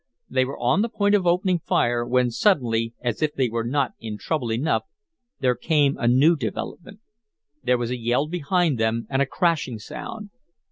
They were on the point of opening fire, when suddenly, as if they were not in trouble enough, there came a new development. There was a yell behind them, and a crashing sound.